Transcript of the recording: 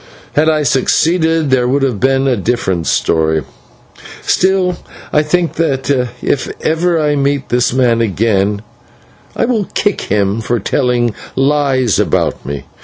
Had I succeeded, there would have been a different story. Still I think that, if ever I meet this man again, I will kick him for telling lies about me.